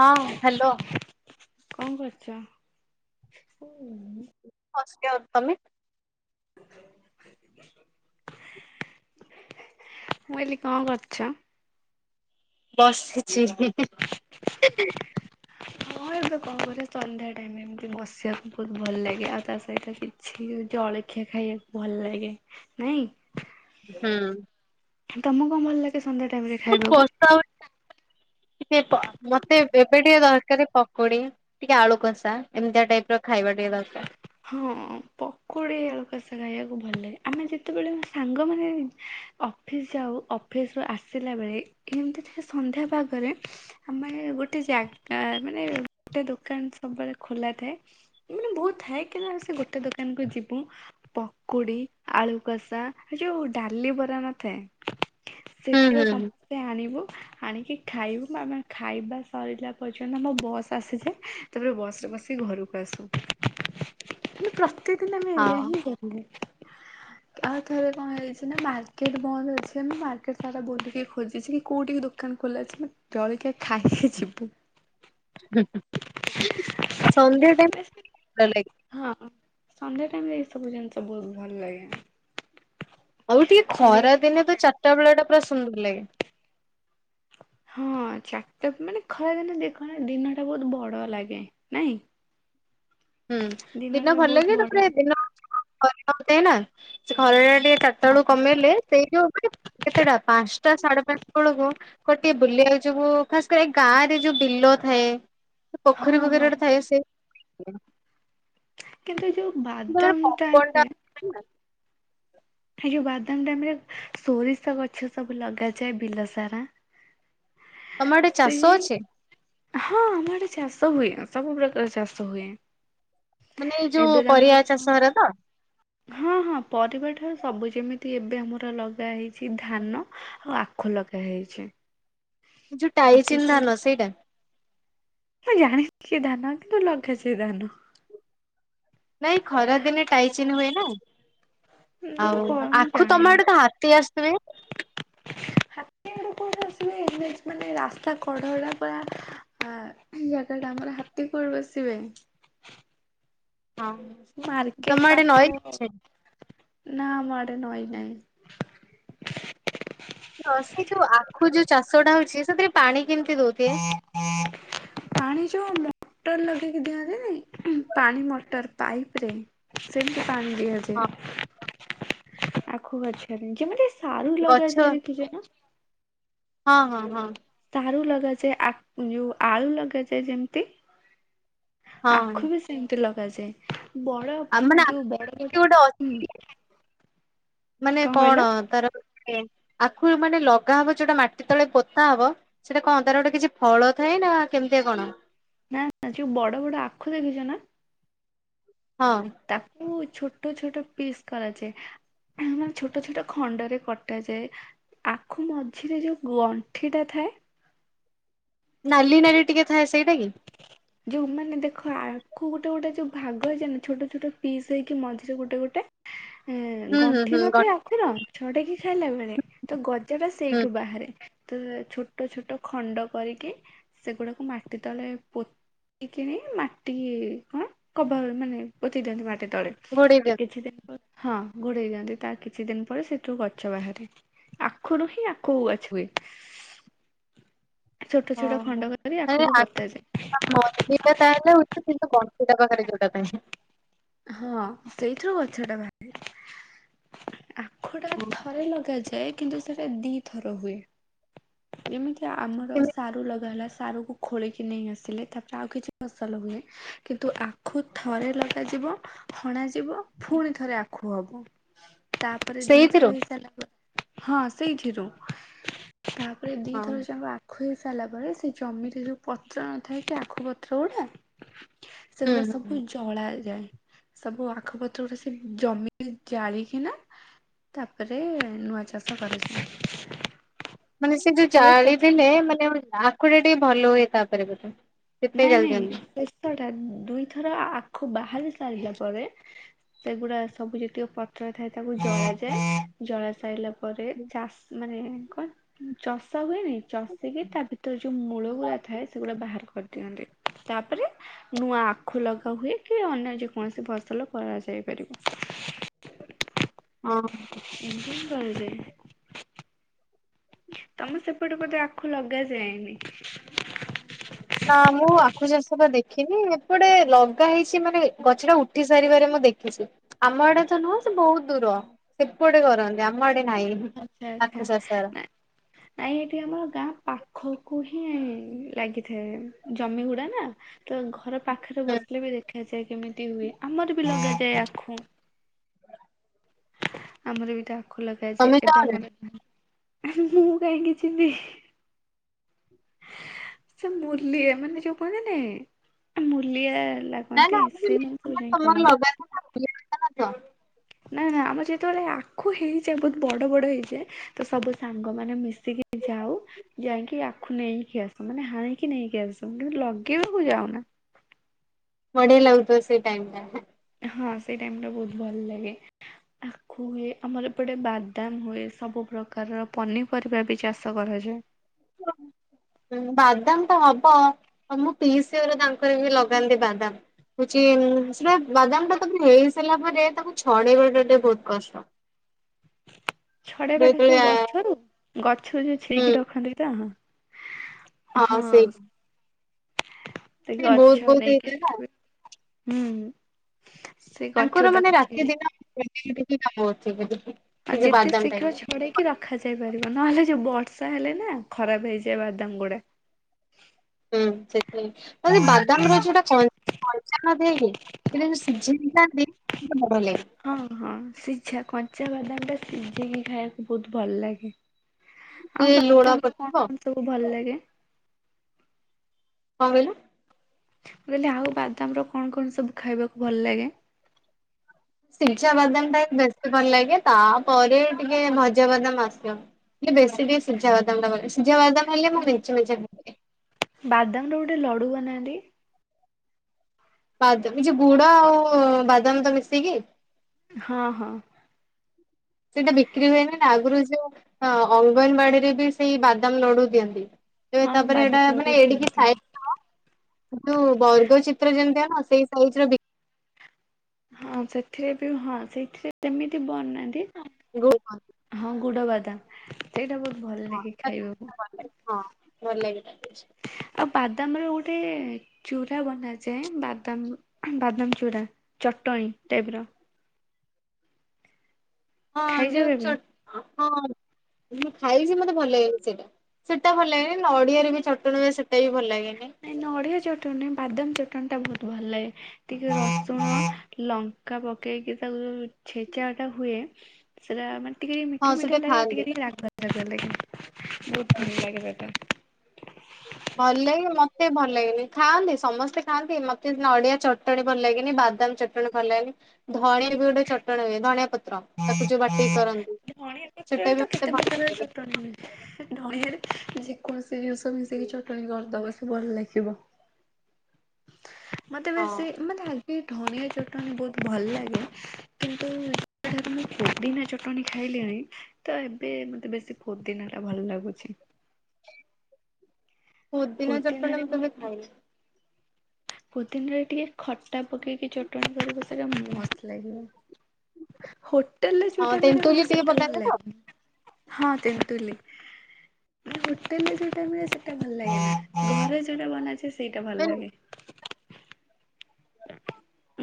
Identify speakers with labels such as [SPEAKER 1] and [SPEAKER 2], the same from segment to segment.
[SPEAKER 1] ହଁ ହ୍ୟାଲୋ।
[SPEAKER 2] କଣ କରୁଚ ଉଁ?
[SPEAKER 1] ବସଚି ଆଉ ତମେ
[SPEAKER 2] ମୁଁ କହିଲି କଣ କରୁଚ?
[SPEAKER 1] ବସିଚି ହିଁ ହିଁ।
[SPEAKER 2] ମୁଁ ଏବେ କଣ କରିବି ସନ୍ଧ୍ୟା ଟାଇମ ଏମିତି ବସିବାକୁ ବହୁତ ଭଲ ଲାଗେ ଆଉ ତା ସହିତ ସିଏ ଜଳଖିଆ ଖାଇବାକୁ ଭଲ ଲାଗେ ନାଇଁ?
[SPEAKER 1] ହୁଁ।
[SPEAKER 2] ତମକୁ କଣ ଭଲ ଲାଗେ ସନ୍ଧ୍ୟା ଟାଇମ ରେ ଖାଇବାକୁ?
[SPEAKER 1] ଟିକିଏ ପ ମତେ ଏବେ ଏବେ ଟିକେ ଦରକାର ପକୁଡି। ଟିକେ ଆଳୁ କସା ଏମିତିଆ ଟାଇପ୍ ର ଖାଇବା ଟିକେ ଦରକାର।
[SPEAKER 2] ହଁ ପକୁଡି ଆଳୁକସା ଖାଇବାକୁ ଭଲ ଲାଗେ ଆମେ ଯେତେବେଳେ ସାଙ୍ଗ ମାନେ ଅଫିସ୍ ଯାଉ ଅଫିସ ରୁ ଆସିଲା ବେଳେ ଏମିତି ଟିକେ ସନ୍ଧ୍ୟାପାଗରେ ଆମେ ଗୋଟେ ଜାଗା ମାନେ ଗୋଟେ ଦୋକାନ ସବୁବେଳେ ଖୋଲା ଥାଏ। ଏମାନେ ବହୁତ୍ ଥାଏ କି ନା ଆଉ ସେ ଗୋଟେ ଦୋକାନ କୁ ଯିବୁ ପକୁଡି ଆଳୁ କଷା ଏ ଯୋଉ ଡାଲି ବରା ନଥାଏ
[SPEAKER 1] ହୁଁ
[SPEAKER 2] ସେଥିଓ
[SPEAKER 1] ହୁଁ
[SPEAKER 2] ସମ
[SPEAKER 1] ହୁଁ।
[SPEAKER 2] ସେ ଆଣିବୁ ଆଣିକି ଖାଇବୁ ଆମେ ଖାଇବା ସରିଲା ପର୍ଯ୍ୟନ୍ତ ମୋ ବସ୍ ଆସିଚି ତେବେ ବସ୍‌ରେ ବସିକି ଘରକୁ ଆସୁ। କିନ୍ତୁ ପ୍ରତେକ ଦିନେ ଆମେ ଏଇଆ
[SPEAKER 1] ହଁ
[SPEAKER 2] ହିଁ କରୁ। ଆଉ ଥରେ କଣ ହେଇଛି ନା ମାର୍କେଟ ବନ୍ଦ ଅଛି ଆମେ ମାର୍କେଟ ସାରା ବୁଲିକି ଖୋଜିଛି କୋଉଠି ବି ଦୋ ଦୋକାନ ଖୋଲା ଅଛି ନା ଜଳିକିଆ ଖାଇକି ଯିବୁ।
[SPEAKER 1] ସନ୍ଧ୍ୟା ଟାଇ [unintelligible]
[SPEAKER 2] ହଁ ସନ୍ଧ୍ୟ ଟାଇମରେ ଏ ସବୁ ଜିନିଷ ବହୁତ ଭଲ ଲାଗେ।
[SPEAKER 1] ଆଉ ଟିକେ ଖରା ଦିନେ ତ ଚାରିଟା ବେଳ ଟା ପୁରା ସୁନ୍ଦର ଲାଗେ।
[SPEAKER 2] ହଁ ଚାରିଟା ମାନେ ଖରା ଦିନ ଦେଖନା ଦିନ ଟା ବହୁତ ବଡ ଲାଗେ ନାଇଁ।
[SPEAKER 1] ହୁଁ ଦିନ
[SPEAKER 2] ଦିନଟା
[SPEAKER 1] ଭଲ
[SPEAKER 2] ବହୁତ
[SPEAKER 1] ଲାଗେ।
[SPEAKER 2] ବଡ
[SPEAKER 1] ତାପରେ ଦିନ [inaudible] କରିବାକୁ ଦେ ନା। ସେ ଖରା ଟା ଟିକେ ଚାରିଟା
[SPEAKER 2] ହଁ
[SPEAKER 1] ବେଳୁ କମିଗଲେ ସେଇ ଯୋଉ ମାନେ କେତେଟା ପାଞ୍ଚ ପାଞ୍ଚ ଟା ସାଢେ ପାଞ୍ଚ ବେଳୁକୁ କୁଆଡେ ଟିକେ ବୁଲିବାକୁ ଯିବୁ। ଖାସ୍ କରି ଏଇ ଗାଁ ରେ ଯୋଉ ବିଲ ଥାଏ। ପୋଖରୀ
[SPEAKER 2] ହଁ
[SPEAKER 1] ପୋଖରୀ
[SPEAKER 2] ହଁ
[SPEAKER 1] ଗୋଟେ ଥାଏ ସେ
[SPEAKER 2] କିନ୍ତୁ ଯୋଉ
[SPEAKER 1] ତମର
[SPEAKER 2] ବାଦାମ୍
[SPEAKER 1] ପବନ
[SPEAKER 2] ଟାଇମ ରେ
[SPEAKER 1] [inaudible]
[SPEAKER 2] ଏଇ ଯୋଉ ବାଦାମ ଟାଇମ ରେ ସୋରିଷ ଗଛ ସବୁ ଲଗାଯାଏ ବିଲ ସାରା।
[SPEAKER 1] ତମ ଆଡେ ଚାଷ
[SPEAKER 2] ସେଇ
[SPEAKER 1] ଅଛି?
[SPEAKER 2] ହଁ ଆମ ଆଡେ ଚାଷ ହୁଏ। ସବୁ ପ୍ରକାର ଚାଷ ହୁଏ।
[SPEAKER 1] ମାନେ ଯୋଉ
[SPEAKER 2] ଏବେ ତ ଆମର
[SPEAKER 1] ପରିବା ଚାଷ ହେରା ତ?
[SPEAKER 2] ହଁ ହଁ ପରିବା ଠାରୁ ସବୁ। ଯେମିତି ଏବେ ଆମର ଲଗା ହେଇଛି ଧାନ ଆଉ ଆ ଖୁ ଲଗା ହେଇଛି।
[SPEAKER 1] ଯୋଉ
[SPEAKER 2] ଆଉ
[SPEAKER 1] ଟାଇଚିନ୍
[SPEAKER 2] ଶୀତ ଦିନ
[SPEAKER 1] ଧାନ ସେଇଟା?
[SPEAKER 2] ମୁଁ ଜାଣି [unintelligible] ଧାନ କିନ୍ତୁ ଲଗାଯାଏ ଧାନ।
[SPEAKER 1] ନାଇଁ ଖରା ଦିନେ ଟାଇଚିନ୍ ହୁଏ ନା।
[SPEAKER 2] ହୁଁ
[SPEAKER 1] ଆଉ
[SPEAKER 2] କଣ ମୁଁ
[SPEAKER 1] ଆଖୁ ତମ
[SPEAKER 2] ଜାଣିନି
[SPEAKER 1] ଆଡ ତ ହାତୀ ଆସ୍ [inaudible]
[SPEAKER 2] କୁଆଡେ ଆସିବେ ଏନ୍ ଏଚ୍ ମାନେ ରାସ୍ତା କଡ ଟା ପୁରା ଆ ଜାଗା ଟା ଆମର ହା ତୀ କୁଆଡୁ ଆସିବେ।
[SPEAKER 1] ହଁ।
[SPEAKER 2] ମାର୍କେଟ
[SPEAKER 1] ତମ ଆଡେ ନଈ
[SPEAKER 2] ପାଖ।
[SPEAKER 1] ଅଛି
[SPEAKER 2] ନାଁ ଆମ ଆଡେ ନଈ ନାହିଁ।
[SPEAKER 1] ହଁ ସେ ଯୋଉ ଆଖୁ ଯୋଉ ଚାଷ ଟା ହଉଛି ସେଥିରେ ପାଣି କେମିତି ଦୋଉଥିବେ?
[SPEAKER 2] ପାଣି ଯୋଉ ମଟର ଲଗେଇକି ଦିଅନ୍ତିନି ପାଣି ମଟର ପାଇପ୍ ରେ। ସେମିତି ପାଣି
[SPEAKER 1] ହଁ
[SPEAKER 2] ଦିଆଯାଏ ଆଖୁ ଗଛରେ। ଯେମିତି ସାରୁ
[SPEAKER 1] ଗଛ
[SPEAKER 2] ଲଗାଯାଏ ଦେଖିଛ ନା?
[SPEAKER 1] ହଁ ହଁ ହଁ।
[SPEAKER 2] ସାରୁ ଲଗାଯାଏ ଆ ଯୋଉ ଆଳୁ ଲଗାଯାଏ ଯେମିତି।
[SPEAKER 1] ହଁ
[SPEAKER 2] ଆଖୁ ବି ସେମିତି ଲଗାଯାଏ। ବଡ
[SPEAKER 1] ଆ
[SPEAKER 2] ଉଁ
[SPEAKER 1] ମାନେ
[SPEAKER 2] ଯୋଉ ବଡ ବଡ
[SPEAKER 1] ଆଖୁ ଗୋଟେ
[SPEAKER 2] ଉଁ।
[SPEAKER 1] ମାନେ କଣ
[SPEAKER 2] କହିଲ
[SPEAKER 1] ତାର ଆଖୁ ମାନେ ଲଗା ହବ ଯୋଉଟା ମାଟି ତଳେ ପୋତା ହବ ସେଟା କଣ ତାର ଗୋଟେ କିଛି ଫଳ ଥାଏ ନା କେମିତିଆ କଣ?
[SPEAKER 2] ନା ନା ଯୋଉ ବଡ ବଡ ଆଖୁ ଦେଖିଛ ନା?
[SPEAKER 1] ହଁ।
[SPEAKER 2] ତାକୁ ଛୋଟ ଛୋଟ ପିସ୍ କରାଯାଏ। ମାନେ ଛୋଟ ଛୋଟ ଖଣ୍ଡରେ କଟାଯାଏ। ଆଖୁ ମଝିରେ ଯୋଉ ଗଣ୍ଠିଟା ଥାଏ।
[SPEAKER 1] ନାଲି ନାଲି ଟିକେ ଥାଏ ସେଇଟା କି?
[SPEAKER 2] ଯୋଉ ମାନେ ଦେଖ ଆଖୁ ଗୋଟେ ଗୋଟେ ଯୋଉ ଭାଗ ହେଇଯାଏ ନି ଛୋଟ ଛୋଟ ପିସ୍ ହେଇକି ମଝିରେ ଗୋଟେ ଗୋଟେ।
[SPEAKER 1] ହୁଁ ହୁଁ
[SPEAKER 2] ଗଣ୍ଠି
[SPEAKER 1] ହୁଁ ଗ
[SPEAKER 2] ନଥାଏ ଆଖୁର। ଛଡେଇକି ଖାଇଲା ବେଳେ। ତ ଗଜା ଟା
[SPEAKER 1] ହୁଁ
[SPEAKER 2] ସେଇଠୁ ବାହାରେ। ତ ଛୋଟ ଛୋଟ ଖଣ୍ଡ କରିକି ସେଗୁଡାକୁ ମାଟି ତଳେ ପୋ କଣ କଭର୍ ମାନେ ପୋତି ଦିଅନ୍ତି ମାଟି ତଳେ।
[SPEAKER 1] ଘୋଡେଇ ଦିଅନ୍ତି
[SPEAKER 2] ହଁ ଘୋଡେଇ ଦିଅନ୍ତି। ତା କିଛି ଦିନ ପରେ ସେଠୁ ଗଛ ବାହାରେ। ଆଖରୁ ହିଁ ଆଖୁ ଗଛ ହୁଏ। ? ଛୋଟ ଛୋଟ ଖଣ୍ଡ କରି ଆଖୁକୁ ପୋତାଯାଏ।
[SPEAKER 1] [unintelligible] ପାଖରେ ଯୋଉଟା ପାଇଁ।
[SPEAKER 2] ହଁ ସେଇଥିରୁ ଗଛ ଟା ବାହାରେ ଆଖୁ ଟା
[SPEAKER 1] ହଁ।
[SPEAKER 2] ଥରେ ଲଗାଯାଏ କିନ୍ତୁ ସେଟା ଦି ଥର ହୁଏ। ଯେମିତି ଆମର ସାରୁ ଲଗାହେଲା ସାରକୁ ଖୋଳିକି ନେଇ ଆସିଲେ ତାପରେ ଆଉ କିଛି ଫସଲ ହୁଏ କିନ୍ତୁ ଆଖୁ ଥରେ ଲ ଯିବ ହଣାଯିବ ପୁଣି ଥରେ ଆଖୁ ହବ। ତାପରେ
[SPEAKER 1] ସେଇଥିରୁ
[SPEAKER 2] ଦିଥର ହେଇ ସାରିଲା ପରେ ହଁ ସେଇଥିରୁ। ତାପରେ
[SPEAKER 1] ହଁ
[SPEAKER 2] ଦିଥର ଜାଙ୍କ ଆ ଖୁ ହେଇ ସାରାଲା ପରେ ସେ ଜମିରେ ଯୋଉ ପତ୍ର ନଥାଏ କି ଆଖୁ ପତ୍ର ଗୁଡା
[SPEAKER 1] ହୁଁ
[SPEAKER 2] ସେଗୁଡା
[SPEAKER 1] ହୁଁ।
[SPEAKER 2] ସବୁ ଜଳା ଏ ସବୁ ଆଖୁ ପତ୍ର ଗୋଡା ସେ ଜମି ଜାଳିକି ନା ତାପରେ ନୂଆ ଚାଷ କରିଯାଏ।
[SPEAKER 1] ମାନେ ସେ ଯୋଉ
[SPEAKER 2] ଚ
[SPEAKER 1] ଜାଳିଦଲେ ମାନେ ଆଖୁଟା ଟିକେ ଭଲ ହୁଏ ତାପରେ ବୋଧେ? ସେଥିପାଇଁ
[SPEAKER 2] ନାଇଁ
[SPEAKER 1] ଜାଳି
[SPEAKER 2] ନାଇଁ
[SPEAKER 1] ଦିଅନ୍ତି।
[SPEAKER 2] ଶେଷଟା ଦୁଇଥର ଆଖୁ ବାହାରି ସାରିଲା ପରେ ସେଗୁଡା ସବୁ ଯେତିକି ପତ୍ର ଥାଏ ତାକୁ ଜଳାଯାଏ ଜଳା ସାଇଲା ପରେ ଚାଷ ମାନେ କଣ ଚଷା ହୁଏନେଇ ଚଷିକି ତା ଭିତରେ ଯୋଉ ମୂଳ ଗୁଡା ଥାଏ ସେଗୁଡା ବାହାର କରିଦିଅନ୍ତି ତାପରେ ନୂଆ ଆଖୁ ଲଗା ହୁଏ କି ଅନ୍ୟ ଯେକୌଣସି ଫସଲ କରାଯାଇପାରିବ।
[SPEAKER 1] ହଁ।
[SPEAKER 2] ଏମିତିହିଁ କରାଯାଏ। ତମ ସେପଟ ପଟେ ଆଖୁ ଲଗାଯାଏନି?
[SPEAKER 1] ନା ମୁଁ ଆଖୁ ଚାଷ ଟା ଦେଖିନି ଏପଟେ ଲଗା ହେଇଛି ମାନେ ଗଛ ଟା ଉଠି ସାରିବାରେ ମୁଁ ଦେଖିଛି। ଆମ ଆଡେ ତ ନୁହଁ ସେ ବହୁତ ଦୂର, ସେପଟେ କରନ୍ତି ଆମ ଆଡେ ନାହିଁ।
[SPEAKER 2] ଆଚ୍ଛା ଆଚ୍ଛା
[SPEAKER 1] ଆଖୁ ଚାଷ।
[SPEAKER 2] ନା ନାଇଁ ଏଠି ଆମର ଗାଁ ପାଖକୁ ହିଁ ଲାଗିଥାଏ ଜମି ଗୁଡା ନା ତ ଘର ପାଖରେ
[SPEAKER 1] ହୁଁ
[SPEAKER 2] ବସିଲେ ବି ଦେଖାଯାଏ କେମିତି ହୁଏ। ଆମର ବି ଲଗାଯାଏ ଆଖୁ। ଆମର ବିଟ ଆଖୁ ଲଗାଯାଏ।
[SPEAKER 1] ତମେ
[SPEAKER 2] ଏବେ
[SPEAKER 1] ଯାଅନା?
[SPEAKER 2] ଆମର ମୁଁ କାହିଁକି କିଛି ଦେ ସେ ମୁଲିଆ ମାନେ ଯୋଉ କୁହନ୍ତି ନି ମୁଲିଆ ଲା
[SPEAKER 1] ନା
[SPEAKER 2] କନ୍ତି ସେମାନେ ସବୁ ଯାଇ କରନ୍ତି।
[SPEAKER 1] ଇଆ
[SPEAKER 2] ନାଁ ନା ଆମର ଯେତୋବେଳେ ଆଖୁ ହେଇଯାଏ ବହୁତ ବଡ ବଡ ହେଇଯାଏ ତ ସବୁ ସାଙ୍ଗ ମାନେ ମିଶିକି ଯାଉ ଯାଇକି ଆଖୁ ନେଇକି ଆସୁ ମାନେ ହାଣିକି ନେଇକି ଆସୁ କିନ୍ତୁ ଲଗେଇବାକୁ ଯାଉନା।
[SPEAKER 1] ବଢିଆ ଲାଗୁଥିବ ସେଇ ଟାଇମ୍ ଟା।
[SPEAKER 2] ହଁ ସେଇ ଟାଇମ ଟା ବହୁତ ଭଲ ଲାଗେ। ଖୁ ହୁଏ ଆମର ଏପଟେ ବାଦାମ ହୁଏ ସବୁ ପ୍ରକାର ପନିପରିବା ବି ଚାଷ କରାଯାଏ।
[SPEAKER 1] [unintelligible] ବାଦାମ ତ ହବ ମୁଁ ପିଇସି ଘର ତାଙ୍କର ବି ଲଗାନ୍ତି ବାଦାମ। ହଉଛି ସେଟା ବାଦାମଟା ତମେ ହେଇସାରିଲା ପରେ ତାକୁ ଛଡ଼େଇବାଟା ଟିକେ ବହୁତ କଷ୍ଟ।
[SPEAKER 2] ଛଡେବା ଯୋଉ
[SPEAKER 1] ଯେତେବେଳେ
[SPEAKER 2] ଗଛରୁ ଗଛରୁ ଯୋଉ
[SPEAKER 1] ହୁଁ।
[SPEAKER 2] ଛେଇକି ରଖନ୍ତି ତ?
[SPEAKER 1] ହଁ ସେଇ
[SPEAKER 2] ସେକ
[SPEAKER 1] ବି ବହୁତ
[SPEAKER 2] ଅଛ
[SPEAKER 1] ବହୁତ
[SPEAKER 2] ନେଇକି
[SPEAKER 1] ହେଇଥାଏ ନା
[SPEAKER 2] ଆସିବେ ହୁଁ। ସେ ଗଛ
[SPEAKER 1] ତାଙ୍କର ମାନେ
[SPEAKER 2] ତାକୁ
[SPEAKER 1] ରାତି
[SPEAKER 2] ଛିଡି
[SPEAKER 1] ଦିନ [unintelligible]
[SPEAKER 2] ଯେତେ
[SPEAKER 1] ବାଦାମ
[SPEAKER 2] ଶୀଘ୍ର
[SPEAKER 1] ଟାଇମରେ
[SPEAKER 2] ଛଡ଼େଇକି ର ଖା ଯାଇ ପାରିବ ନହେଲେ ଯୋଉ ବର୍ଷା ହେଲେ ନା ଖରାପ ହେଇଯାଏ ବାଦାମ ଗୁଡା।
[SPEAKER 1] ହୁଁ ସେଥିାଇଁ ମତେ ବାଦାମ ରଛଟା କଁ କଞ୍ଚା ନ ଦେଇକି କିନ୍ତୁ ଯୋଉ ସିଝେଇକି ଖାନ୍ତି ବଡ ଲାଗେ।
[SPEAKER 2] ହଁ ହଁ ସିଝା କଞ୍ଚା ବାଦାମ ଟା ସିଝେଇିକି ଖାଇବାକୁ ବହୁତ୍ ଭଲ୍ ଲାଗେ। ଆଉ
[SPEAKER 1] ଟିକେ ଲୁଣ
[SPEAKER 2] ବାଦାମ୍ ର କଣ
[SPEAKER 1] ପଡିଥିବ
[SPEAKER 2] କଣ ସବୁ ଭଲ ଲାଗେ?
[SPEAKER 1] କଁ କଇଲ?
[SPEAKER 2] ମୁଁ କହିଲି ଆଉ ବାଦାମ୍ ର କଣ କଣ ସବୁ ଖାଇବାକୁ ଭଲ୍ ଲାଗେ?
[SPEAKER 1] ସିଝା ବାଦାମ୍ ଟା ବେଶୀ ଭଲ ଲାଗେ ତାପରେ ଟିକେ ଭଜାବାଦାମ୍ ଆସିବ। ହେ ବେଶୀ ଟିକେ ସିଝାବାଦମ୍ ଟା ବ ସିଝା ବାଦାମ୍ ହେଲେ ମୁଁ ମେଞ୍ଚେ ମେଞ୍ଚେ [inaudible]
[SPEAKER 2] ବାଦାମ ର ଗୋଟେ ଲଡୁ ବନାନ୍ତି?
[SPEAKER 1] ବାଦ- ଏ ଯ ଗୁଡ ଆଉ ବାଦାମ ତ ମିଶେଇକି।
[SPEAKER 2] ହଁ ହଁ।
[SPEAKER 1] ସେଇଟା ବିକ୍ରି ହୁଏନି ନା ଆଗରୁ ଯୋଉ ଅ ଅଙ୍ଗନବାଡିରେ ବି ସେଇ ବାଦାମ୍ ଲଡୁ ଦିଅନ୍ତି। ଏ
[SPEAKER 2] ହଁ
[SPEAKER 1] ତାପରେ ଏଇଟା
[SPEAKER 2] ବାଦାମ ଲଡୁ
[SPEAKER 1] ମାନେ ଏଡିକି
[SPEAKER 2] ଦିଅନ୍ତି।
[SPEAKER 1] ଯୋଉ ବର୍ଗ ଚିତ୍ର ଯେମିତିଆ ନୁଅ ସେଇ ସାଇଜ୍ ର ବିକ୍
[SPEAKER 2] ହଁ ସେଥିରେ ବି ହଁ ସେଥିରେ ସେମିତି ବନାନ୍ତି
[SPEAKER 1] [inaudible]
[SPEAKER 2] ହଁ ଗୁଡ ବାଦାମ୍ ସେଇଟା ବ
[SPEAKER 1] ହଁ [inaudible] ହଁ ଭଲ ଲାଗେ [inaudible]
[SPEAKER 2] ଆଉ ବାଦାମ୍ ର ଗୋଟେ ଚୁରା ବନାଯାଏ ବାଦାମ୍ ବାଦାମ୍ ଚୁରା ଚଟଣୀ ଟାଇପ୍ ର।
[SPEAKER 1] ହଁ
[SPEAKER 2] ଖାଇଛ
[SPEAKER 1] ଯଉଁ
[SPEAKER 2] କେବେ?
[SPEAKER 1] ଚଟ୍- ହଁ। ମୁଁ ଖାଇଚି ମତେ ଭଲ ଲାଗେନି ସେଇଟା ସେଇଟା ଭଲ ଲାଗେନି ନଡିଆରେ ବି ଚଟଣି ହୁଏ ସେଇଟା ବି ଭଲ ଲାଗେନି।
[SPEAKER 2] ନାଇଁ ନଡ଼ିଆ ଚଟଣୀ ନା ବାଦାମ୍ ଚଟଣି ଟା ବହୁତ୍ ଭଲ ଲାଗେ। ଟିକେ ରସୁଣ ଲଙ୍କା ପକେଇକି ତାକୁ ଯୋଉ ଛେଚା ଟା ହୁଏ ସେଟା ମାନେ ଟିକେ
[SPEAKER 1] ହଁ
[SPEAKER 2] ମିଠା ମିଠା
[SPEAKER 1] ସେଟା
[SPEAKER 2] ଲାଗେ ଆଉ ଟିକେ
[SPEAKER 1] ଖାଆନ୍ତି।
[SPEAKER 2] ଲାଗେ ରାଗୁଆ ରାଗୁଆ ଲାଗେ ବହୁତ୍ ଭଲ୍ ଲାଗେ।
[SPEAKER 1] ଭଲ୍ ଲାଗେ ମତେ ଭଲ ଲାଗେନି ଖାଆନ୍ତି ସମସ୍ତେ ଖାଆନ୍ତି ମତେ ନଡ଼ିଆ ଚଟଣି ଭଲ ଲାଗେନି, ବାଦାମ ଚଟ୍ଟ୍ ଭଲ ଲାଗି ଧଣି ବି ଗୋଟେ ଚଟଣ ହୁଏ ଧଣିଆ ପତ୍ର ତାକୁ ଯୋଉ ବାଟିକି କରନ୍ତି। ସେଟା ବି ମତେ ଭଲ
[SPEAKER 2] [inaudible]
[SPEAKER 1] ଲାଗେନି।
[SPEAKER 2] ନଡିଆ ରେ ଯେ କୌଣସି ଜିନିଷ ମିଶେଇିକି ଚଟଣି କରିଦବ ସେ ଭଲ୍ ଲାଗିବ। ମତେ
[SPEAKER 1] ହଁ
[SPEAKER 2] ବେଶୀ ମତେ ହାଲ୍ କି ଧନିଆ ଚଟଣି ବହୁତ ଭଲ ଲାଗେ କିନ୍ତୁ [unintelligible] ମୁଁ ପୋଦିନା ଚଟଣି ଖାଇଲିଣି ତ ଏବେ ମତେ ବେଶୀ ପୋଦିନା ଟା ଭଲ ଲାଗୁଛି।
[SPEAKER 1] ପୋଦିନା ଚଟଣି
[SPEAKER 2] ପୋଦିନାରେ
[SPEAKER 1] ମୁଁ କେବେ ଖାଇନି।
[SPEAKER 2] ପୋଦିନରେ ଟିକେ ଖଟା ପକେଇକି ଚଟଣି କରିବ ସେଇଟା ମସ୍ତ ଲାଗିବ। ହୋଟେଲରେ
[SPEAKER 1] ହଁ
[SPEAKER 2] ଯୋଉଟା ମିଳେ
[SPEAKER 1] ତେନ୍ତୁଲି
[SPEAKER 2] ମତେ
[SPEAKER 1] ଟିକେ
[SPEAKER 2] ସେଟା ଭଲ
[SPEAKER 1] ପକାନ୍ତି ତ
[SPEAKER 2] ଲାଗେନି। ହଁ ତେନ୍ତୁଲି। ହୋଟେଲରେ ଯୋଉଟା ମିଳେ ସେଇଟା ଭଲ ଲାଗେନି, ଘରେ ଯୋଉଟା ବାନଯାଏ ସେଇଟା ଭଲ ଲାଗେ।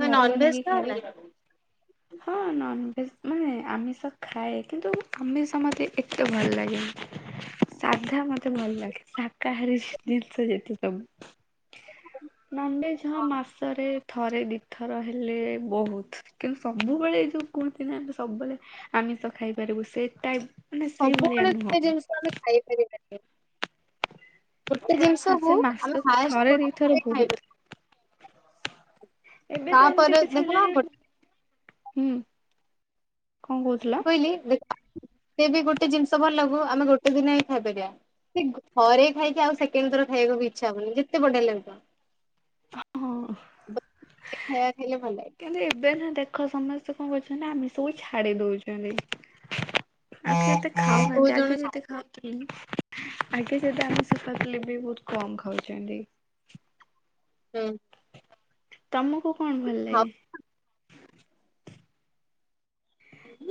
[SPEAKER 1] ତ
[SPEAKER 2] ଘରେ
[SPEAKER 1] ନନଭେଜ୍
[SPEAKER 2] ବନେଇକି ଖାଇବେ।
[SPEAKER 1] ଖାଅନା କି?
[SPEAKER 2] ହଁ ନନ୍ଭେଜ୍ ମାନେ ଆମିଷ ଖାଏ କିନ୍ତୁ ଆମିଷ ମୋତେ ଏତେ ଭଲ ଲାଗେନି। ସାଧା ମତେ ଭଲ ଲାଗେ ଶାକାହାରୀ ଜିନିଷ ଯେତେ ସବୁ। ନ ଭେଝ
[SPEAKER 1] ହଁ
[SPEAKER 2] ମାସରେ ଥରେ ଦିଥର ହେଲେ ବହୁତ କିନ୍ତୁ ସବୁବେଳେ ଏ ଯୋଉ କୁହନ୍ତି ନା ଆମେ ସବୁବେଳେ ଆମିଷ ଖାଇପାରିବୁ ସେଟା
[SPEAKER 1] ସବୁବେଳେ ସେ ଜିନିଷ ଆମେ ଖାଇପାରିବା ନି। ଗୋଟେ
[SPEAKER 2] ହଁ
[SPEAKER 1] ଜିନିଷ
[SPEAKER 2] ସେ
[SPEAKER 1] କୁ ଆମେ
[SPEAKER 2] ମାସକୁ ଥରେ
[SPEAKER 1] ହାଏଷ୍ଟେ
[SPEAKER 2] ଦିଥର
[SPEAKER 1] ଦି
[SPEAKER 2] ବହୁତ
[SPEAKER 1] ଖାଇବା ନି।
[SPEAKER 2] ଏବେ ତ ଏମିତି
[SPEAKER 1] ତାପରେ
[SPEAKER 2] କିଛି ହେ
[SPEAKER 1] ଦେଖୁନ
[SPEAKER 2] ହୁଁ
[SPEAKER 1] ଗୋଟେ
[SPEAKER 2] କଣ କହୁଥିଲ?
[SPEAKER 1] ସେ ବି ଗୋଟେ ଜିନିଷ ଭଲ ଲାଗୁ ଆମେ ଗୋଟେ ଦିନ ହିଁ ଖାଇପାରିବା। ସେ ଘରେ ଖାଇକିଆଉ ସେକେଣ୍ଡ ଥର ଖାଇବାକୁ ଇଚ୍ଛା ହବନି ଯେତେ ବଡିଆ ଲଗୁଥଊ।
[SPEAKER 2] ହଁ
[SPEAKER 1] [unintelligible] ଖାଇଲେ ଭଲ ଲାଗେ।
[SPEAKER 2] କିନ୍ତୁ ଏବେ ନା ଦେଖ ସମସ୍ତେ କଣ କରୁଛନ୍ତି ଆମେ ସବୁ ଛାଡି ଦଉଛନ୍ତି। ଆଗେ ଏତେ
[SPEAKER 1] ଆଉ ବହୁତ
[SPEAKER 2] ଖାଉନାହାନ୍ତି
[SPEAKER 1] ଜଣ
[SPEAKER 2] ଆଗେ ଯତେ ଖାଉ ଆଜ୍ଞା ଯଦି ଆମେ ସୁପାାତଲି ବି ବହୁତ କମ ଖାଉଛନ୍ତି।
[SPEAKER 1] ହୁଁ।
[SPEAKER 2] ତମକୁ କଣ ଭଲ
[SPEAKER 1] ଆଉ
[SPEAKER 2] ଲାଗେ?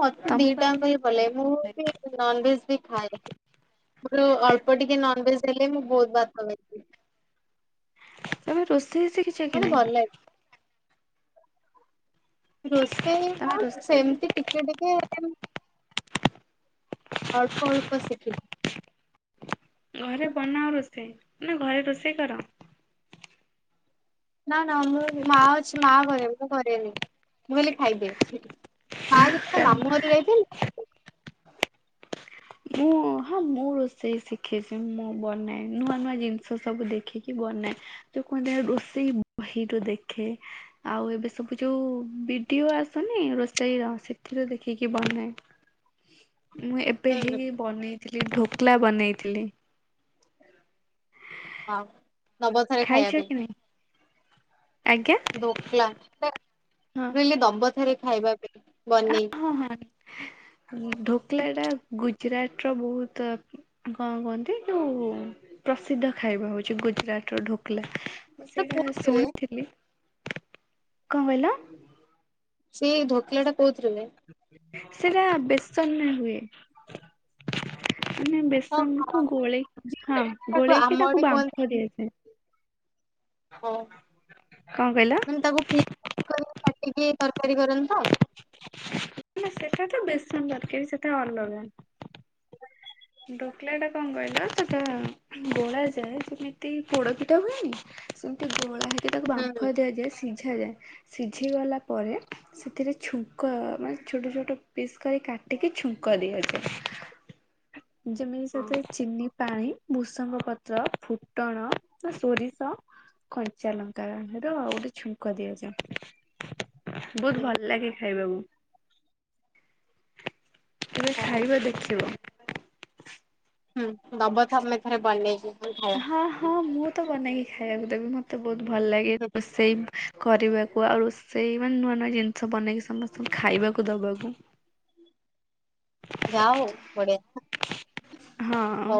[SPEAKER 1] ମତେ
[SPEAKER 2] ତମକୁ
[SPEAKER 1] ଦିଟାଙ୍କ
[SPEAKER 2] ଆମିଷ
[SPEAKER 1] ବି ଭଲ
[SPEAKER 2] ଭିତରେ
[SPEAKER 1] ଲାଗେ
[SPEAKER 2] କଣ
[SPEAKER 1] ମୁଁ ବି ନଭେଜ ବି ଖାଏ ମୋର ଅଳ୍ପ ଟିକେ ନନଭେଜ ହେଲେ ମୁଁ ବହୁତ ଭାତ ଖା
[SPEAKER 2] ତମେ ରୋଷେଇ ସି
[SPEAKER 1] ମତେ ଭଲ ଲାଗେ। ରୋଷେଇ ହ
[SPEAKER 2] ତମେ ରୋଷେଇ
[SPEAKER 1] ସେମିତି ଟିକେ ଟିକେ ଅଳ୍ପ ଅଳ୍ପ ଶିଖିଛିି।
[SPEAKER 2] ଘରେ ବନା ଆ ରୋଷେଇ ନା ଘରେ ରୋଷେଇ କର।
[SPEAKER 1] ନା ନା ମୋର ମା ଅଛି ମା କରେ ମୁଁ କରେନି ମୁଁ ଖାଲି ଖାଇଦିବି। ମା ଯେତେବେଳେ ମାମୁଁ ଘରି ଯାଇଥିଲି।
[SPEAKER 2] ମୁଁ ହଁ ମୁଁ ରୋଷେଇ ଶିଖେଇଛି ମୁଁ ବନାଏ ନୂଆ ନୂଆ ଜିନିଷ ସବୁ ଦେଖିକି ବନାଏ। ତ କୁହନ୍ତି ରୋଷେଇ ବହି ରୁ ଦେଖେ ଆଉ ଏବେ ସବୁ ଯୋଉ ଭିଡିଓ ଆସୁନି ରୋଷେଇ ର ସେଥିରେ ଦେଖିକି ବନାଏ।
[SPEAKER 1] ହ।
[SPEAKER 2] ମୁଁ ଏବେ ହିଁ ବନେଇଥିଲି ଢୋକଲା ବନେଇଥିଲି।
[SPEAKER 1] ହଁ ନବଥରେ
[SPEAKER 2] ଖାଇଛ
[SPEAKER 1] ଖାଇବା ପାଇଁ
[SPEAKER 2] କି ନାଇଁ? ଆଜ୍ଞା?
[SPEAKER 1] ଧୋକଲା ରିଲ ଦବ ଥରେ ଖାଇବାକୁ।
[SPEAKER 2] ହ ହଁ ହଁ ଢୋକଲା ଟା ଗୁଜୁରାଟ ର ବହୁତ। କଣ କୁହନ୍ତି ଯୋଉ ପ୍ରସିଦ୍ଧ ଖାଇବା ହଉଛି ଗୁଜୁରାଟର ଢୋକଲା।
[SPEAKER 1] ସେଟା
[SPEAKER 2] ସେଇଟା
[SPEAKER 1] କୋଉଥିରେ ହୁଏ?
[SPEAKER 2] ଶୁଣିଥିଲି କଣ କହିଲ।
[SPEAKER 1] ସେ ଧୋକିଲା ଟା କହୁଥିରେ ହୁଏ।
[SPEAKER 2] ସେଟା ବେଚନା ହୁଏ। ମାନେ
[SPEAKER 1] ହଁ ହଁ
[SPEAKER 2] ବେସନକୁୁ ଗୋଳେଇକ
[SPEAKER 1] ସୁଜି
[SPEAKER 2] ହଁ
[SPEAKER 1] ହୁଏ। ଆମ
[SPEAKER 2] ଗୋଳେଇକି ତାକୁ
[SPEAKER 1] ଆଡେ କୁହନ୍ତି
[SPEAKER 2] ବାମ୍ଫ ଦିଆଯାଏ।
[SPEAKER 1] ହ
[SPEAKER 2] କଣ କହିଲ?
[SPEAKER 1] ମାନ ତାକୁ ପିଶି କାଟିକି ତରକାରୀ କରନ୍ତୁ ତ।
[SPEAKER 2] ନା ସେଟା ତ ବେଶନ ତରକାରୀ ସେଟା ଅଲଗା। ଡୋକଲା ଟା କଣ କହିଲ ସେଟା ଗୋଳା ଯାଏ ଯେମିତି ପୋଡ ପିଠା ହୁଏନି। ସେମିତି ଗୋଳା ହେଇକି ତାକୁ
[SPEAKER 1] ହୁଁ ହୁଁ
[SPEAKER 2] ବାମ୍ଫ ଦିଆଯାଏ ସିଝାଯାଏ ସିଝିଗଲା ପରେ। ସେଥିରେ ଛୁଙ୍କ ମାନେ ଛୋଟ ଛୋଟ ପିସ୍ କରି କାଟିକି ଛୁଙ୍କ ଦିଅଜାଏ। ଯେମିତି
[SPEAKER 1] ହଁ
[SPEAKER 2] ସେଥି ରେ ଚିନି। ପାଣି ଭୃଷଙ୍ଗ ପତ୍ର ଫୁଟଣ ସୋରିଷ। କଞ୍ଚା ଲଙ୍କା ର ଆଉ ଗୋଟେ ଛୁଙ୍କ ଦିଆଯାଏ। ବହୁତ
[SPEAKER 1] ହୁଁ
[SPEAKER 2] ଭଲ ଲାଗେ ଖାଇ ବାକୁ। କେବେ
[SPEAKER 1] ହଉ
[SPEAKER 2] ଖାଇବ ଦେଖିବ।
[SPEAKER 1] ହୁଁ ଦବ ତମେ ଥରେ ବନେଇକି। ଖାଇବା
[SPEAKER 2] ହଁ ହଁ ମୁଁ ତ ବନେଇକି ଖାଇବାକୁ ଦେବି ମତେ ବହୁତ ଭଲ ଲାଗେ ରୋ ସେଇ। କରିବାକୁ ଆଉ ରୋସେଇ ମାନେ ନୂଆ ନୂଆ ଜିନିଷ ବନେଇକି ସମସ୍ତଙ୍କୁ ଖାଇବାକୁ ଦବାକୁ।
[SPEAKER 1] ଯା ହେଉ ବଢ଼ିଆ।
[SPEAKER 2] ହଁ।